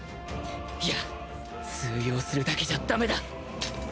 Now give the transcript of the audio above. いや通用するだけじゃ駄目だ